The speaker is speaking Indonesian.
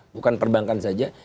bukan perbankan saja